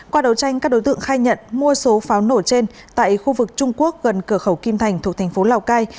qua đấu tranh các đối tượng khai nhận mua số pháo nổ trên tại khu vực trung quốc gần cửa khẩu kim thành thuộc thành phố lào cai